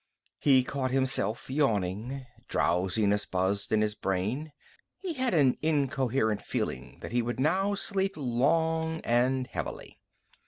He caught himself yawning. Drowsiness buzzed in his brain. He had an incoherent feeling that he would now sleep long and heavily.